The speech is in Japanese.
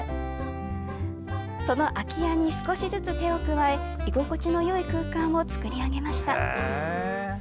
その空き家に少しずつ手を加え居心地のよい空間を作り上げました。